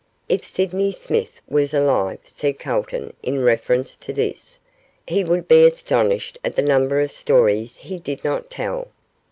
'If Sydney Smith was alive,' said Calton, in reference to this, 'he would be astonished at the number of stories he did not tell.